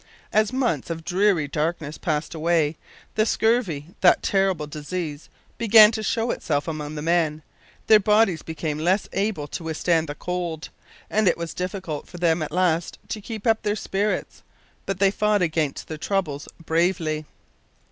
As months of dreary darkness passed away, the scurvy, that terrible disease, began to show itself among the men, their bodies became less able to withstand the cold, and it was difficult for them at last to keep up their spirits. But they fought against their troubles bravely.